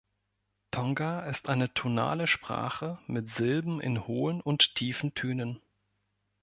Tonga ist eine tonale Sprache mit Silben in hohen und tiefen Tönen.